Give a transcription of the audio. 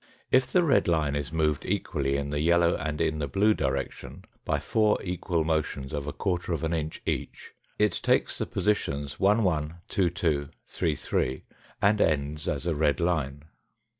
If the red line is moved equally in the yellow and in the blue direction by four equal motions of inch each, it takes the positions 11, 22, 33, and ends as a red line.